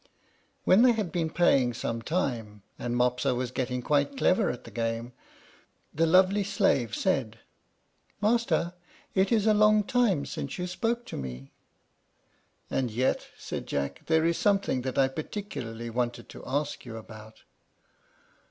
When they had been playing some time, and Mopsa was getting quite clever at the game, the lovely slave said, "Master, it is a long time since you spoke to me." "And yet," said Jack, "there is something that I particularly want to ask you about."